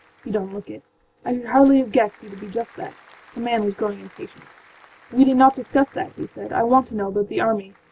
â âYou donât look it; I should hardly have guessed you to be just that.â The man was growing impatient. âWe need not discuss that,â he said; âI want to know about the army.